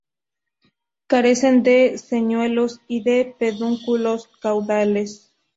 Carecen de señuelos y de pedúnculos caudales.